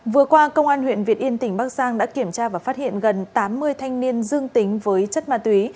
vừa qua công an huyện việt yên tỉnh bắc giang đã kiểm tra và phát hiện gần tám mươi thanh niên dương tính với chất ma túy